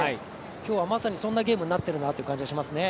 今日はまさにそんなゲームになっているなという感じがしますね。